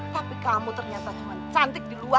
tapi kamu ternyata cuma cantik di luar